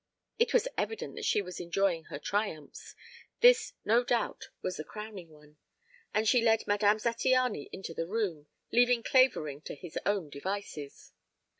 It was evident that she was enjoying her triumphs; this no doubt was the crowning one, and she led Madame Zattiany into the room, leaving Clavering to his own devices.